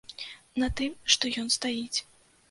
На тым, што ён стаіць.